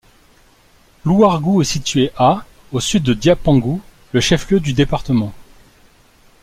Louargou est situé à au Sud de Diapangou, le chef-lieu du département.